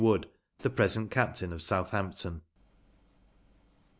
Wood, the present captain of Southampton.